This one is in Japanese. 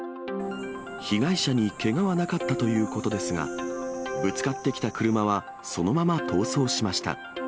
被害者にけがはなかったということですが、ぶつかってきた車はそのまま逃走しました。